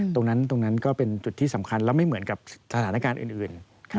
ตรงนั้นตรงนั้นก็เป็นจุดที่สำคัญแล้วไม่เหมือนกับสถานการณ์อื่น